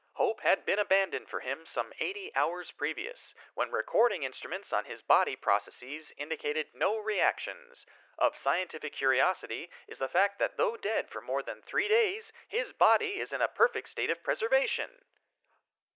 Hope had been abandoned for him some 80 hours previous, when recording instruments on his body processes indicated no reactions. Of scientific curiosity is the fact that though dead for more than three days, his body is in a perfect state of preservation